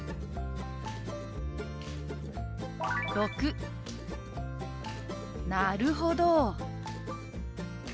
⑥「なるほど！」。